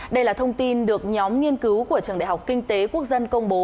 đây là thông tin được nhóm nghiên cứu của trường đại học kinh tế quốc dân công bố